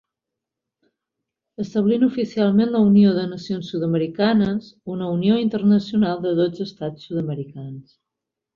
Establint oficialment la Unió de Nacions Sud-americanes, una unió internacional de dotze estats sud-americans.